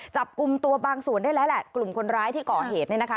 จับกลุ่มตัวบางส่วนได้แล้วแหละกลุ่มคนร้ายที่ก่อเหตุเนี่ยนะคะ